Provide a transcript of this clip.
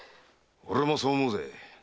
俺もそう思うぜ。